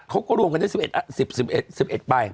เขาก็ร่วมกันได้๑๑ล้าน